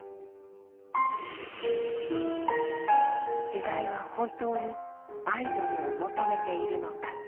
時代は本当にアイドルを求めているのか。